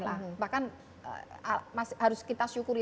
bahkan harus kita syukuri